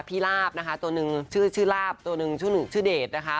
พี่ลาบนะคะตัวนึงชื่อลาบตัวนึงชื่อเดชนะคะ